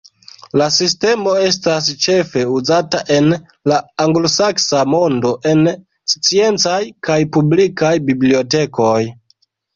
La sistemo estas ĉefe uzata en la anglosaksa mondo en sciencaj kaj publikaj bibliotekoj.